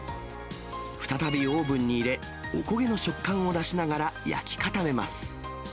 再びオーブンに入れ、おこげの食感を出しながら、焼き固めます。